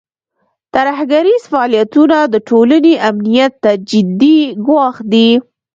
ترهګریز فعالیتونه د ټولنې امنیت ته جدي ګواښ دی.